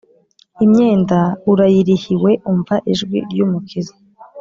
Imyenda urayirihiwe umva ijwi ry’umukiza